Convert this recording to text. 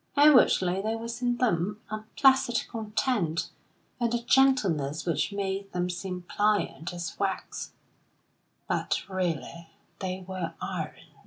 Outwardly there was in them a placid content, and a gentleness which made them seem pliant as wax; but really they were iron.